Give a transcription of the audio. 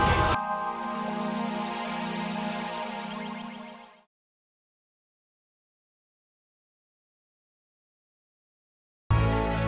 aku tidak akan memperbaiki perasaanmu